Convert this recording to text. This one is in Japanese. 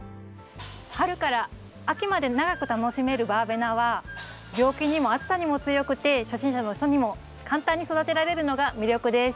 春から秋まで長く楽しめるバーベナは病気にも暑さにも強くて初心者の人にも簡単に育てられるのが魅力です。